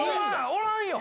おらんよ。